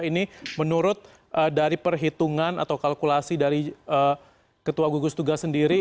ini menurut dari perhitungan atau kalkulasi dari ketua gugus tugas sendiri